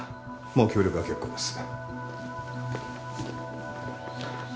もう協力は結構です。